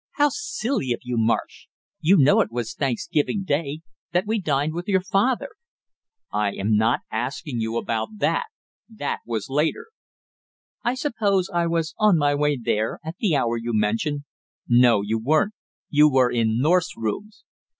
"How silly of you, Marsh, you know it was Thanksgiving day, that we dined with your father." "I am not asking you about that, that was later!" "I suppose I was on my way there at the hour you mention." "No, you weren't; you were in North's rooms!"